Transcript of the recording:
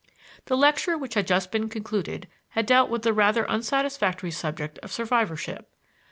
The lecture which had just been concluded had dealt with the rather unsatisfactory subject of survivorship.